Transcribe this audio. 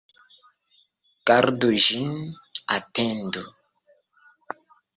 Gardu ĝin, atendu!